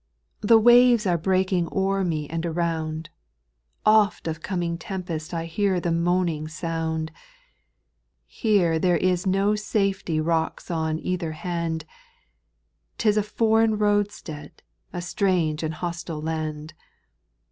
the waves are breaking o'er me and Jj around ; Oft of coming tempest I hear the moaning sound ; Here there is no safety rocks on either hand ; 'T is a foreign roadstead, a strange and hos tile land.